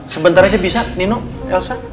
sebentar aja bisa nino elsa